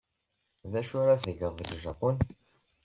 D acu ara tgeḍ deg Japun?